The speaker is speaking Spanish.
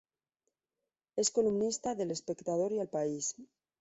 Es columnista de "El Espectador" y "El País".